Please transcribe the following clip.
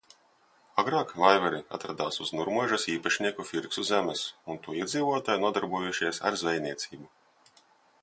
Agrāk Vaivari atradās uz Nurmuižas īpašnieku Firksu zemes un to iedzīvotāji nodarbojušies ar zvejniecību.